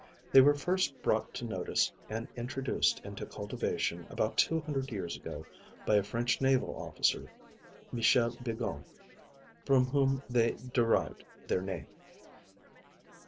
They were first brought to notice and introduced into cultivation about two hundred years ago by a French naval officer, Michel Begon, from whom they derived their name.